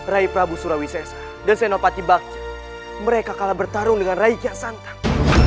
rai prabu surawesi s a dan senopati bagja mereka kalah bertarung dengan rai kiasantang